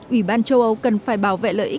ủy ban châu âu cần phải bảo vệ lợi ích